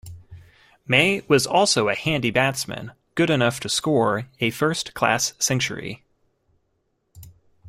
May was also a handy batsman good enough to score a first-class century.